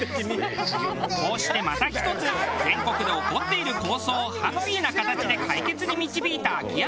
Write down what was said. こうしてまた１つ全国で起こっている抗争をハッピーな形で解決に導いた秋山。